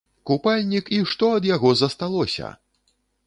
Купальнік і што ад яго засталося!